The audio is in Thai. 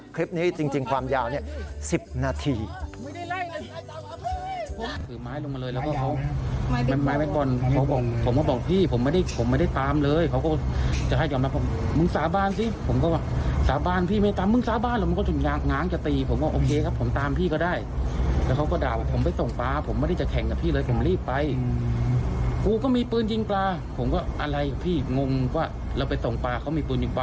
คลิปนี้จริงความยาวเนี่ย๑๐นาที